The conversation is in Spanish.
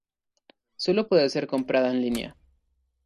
Solo puede ser comprada en línea.